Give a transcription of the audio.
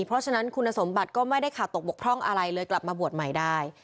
เพราะฉะนั้นคุณสมบัติก็ไม่ได้ขาดตกบกพร่องอะไรเลยกลับมาบวชใหม่ได้